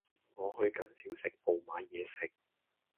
我去緊小食部買嘢食